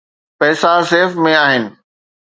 پئسا سيف ۾ آهن.